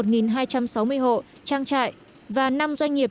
trang trại và năm doanh nghiệp